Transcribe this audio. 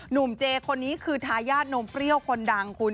เจคนนี้คือทายาทนมเปรี้ยวคนดังคุณ